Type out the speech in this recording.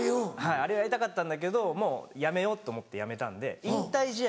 あれやりたかったんだけどもう辞めようと思って辞めたんで引退試合